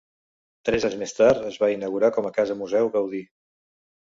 Tres anys més tard, es va inaugurar com a Casa Museu Gaudí.